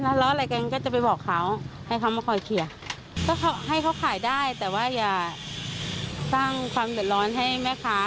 ทะเลาะอะไรกันก็จะไปบอกเขาให้เขามาคอยเคลียร์ก็ให้เขาขายได้แต่ว่าอย่าสร้างความเดือดร้อนให้แม่ค้า